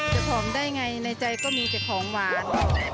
ผอมได้ไงในใจก็มีแต่ของหวาน